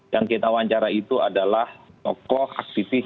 yang kita wawancara itu adalah tokoh aktivis